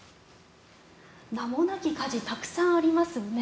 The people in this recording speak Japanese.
名もなき家事たくさんありますよね。